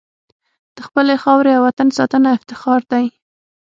د خپلې خاورې او وطن ساتنه افتخار دی.